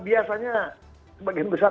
biasanya sebagian besar